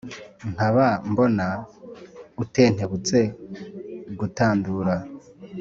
nkaba mbona utentebutse gutandura.